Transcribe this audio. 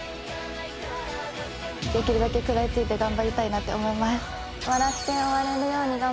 できるだけ食らいついて頑張りたいなと思います。